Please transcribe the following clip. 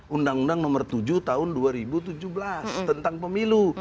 undang undang nomor tujuh tahun dua ribu tujuh belas tentang pemilu